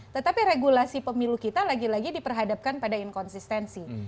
tetapi regulasi pemilu kita lagi lagi diperhadapkan pada inkonsistensi